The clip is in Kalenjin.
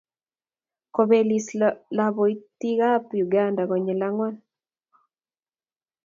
kobelis lobotikab Uganda konyil ang'wan.